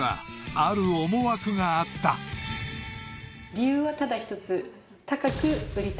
理由はただ一つ。